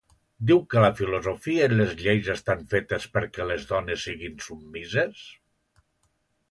Diu que la filosofia i les lleis estan fetes perquè les dones siguin submises?